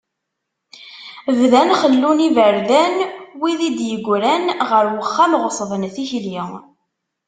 Bdan xellun iberdan, wid i d-yegran, ɣer wexxam ɣeṣben tikli.